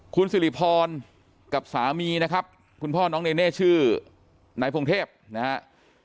คุณสิริพรกับสามีนะครับคุณพ่อน้องเนเน่ชื่อนายพงเทพนะครับ